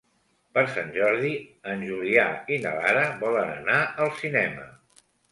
Per Sant Jordi en Julià i na Lara volen anar al cinema.